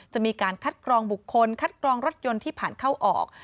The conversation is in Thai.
จะมีการคัดกรองบุคคลคัดกรองรถยนต์ที่ผ่านเข้าออก